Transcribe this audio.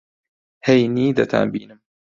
ھەینی دەتانبینم.